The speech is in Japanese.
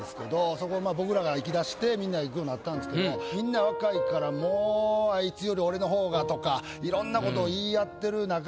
そこ僕らが行き出してみんな行くようになったんですけどみんな若いからもう。とかいろんなこと言い合ってる中に。